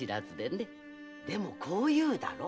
でもこういうだろ？